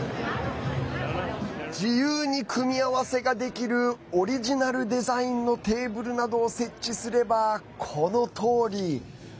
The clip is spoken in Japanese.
自由に組み合わせができるオリジナルデザインのテーブルなどを設置すれば、このとおり。